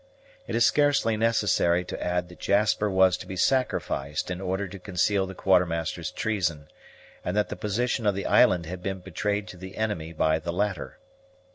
It is scarcely necessary to add that Jasper was to be sacrificed in order to conceal the Quartermaster's treason, and that the position of the island had been betrayed to the enemy by the latter.